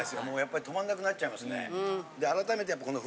もうやっぱり止まんなくなっちゃいますね。